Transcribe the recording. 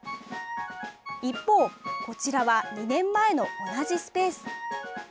一方、こちらは２年前の同じスペース。